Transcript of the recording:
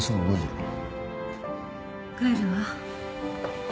帰るわ。